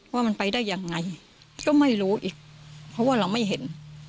ว่ามันไปได้ยังไงก็ไม่รู้อีกเพราะว่าเราไม่เห็น